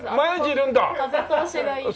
風通しがいいって。